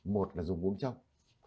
một là dùng uống trong